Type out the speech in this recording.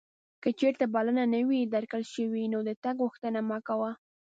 که چیرته بلنه نه وې درکړل شوې نو د تګ غوښتنه مه کوه.